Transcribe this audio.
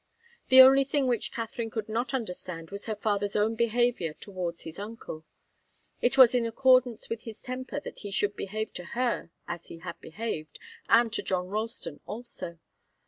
The only thing which Katharine could not understand was her father's own behaviour towards his uncle. It was in accordance with his temper that he should behave to her as he had behaved, and to John Ralston also.